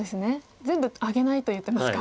「全部あげない」と言っていますか。